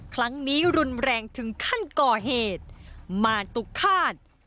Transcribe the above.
ครั้งนี้รุนแรงถึงขั้นก่อเหตุมาตุฆาต